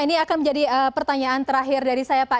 ini akan menjadi pertanyaan terakhir dari saya pak